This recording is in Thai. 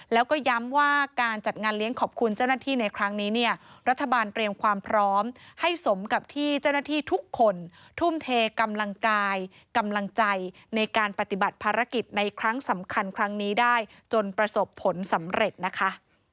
แล้วก็ย้ำว่าการจัดงานเลี้ยงขอบคุณเจ้าหน้าที่ในครั้งนี้เนี่ยรัฐบาลเตรียมความพร้อมให้สมกับที่เจ้าหน้าที่ทุกคนทุ่มเทกำลังกายกำลังใจในการปฏิบัติภารกิจในครั้งสำคัญครั้งนี้ได้จนประสบผลสำเร็จนะคะ